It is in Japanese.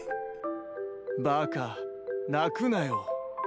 バカ泣くなよ。